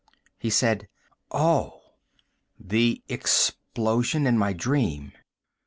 He said: "Oh. The explosion in my dream."